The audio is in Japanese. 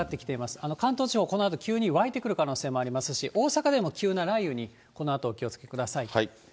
この関東地方、このあと急に湧いてくる可能性ありますし、大阪でも急な雷雨にこのあとお気をつけください。